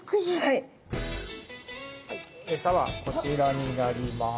はいエサはこちらになります。